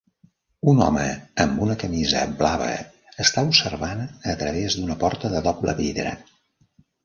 Un home amb una camisa blava està observant a través d'una porta de doble vidre.